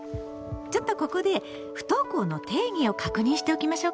ちょっとここで不登校の定義を確認しておきましょうか。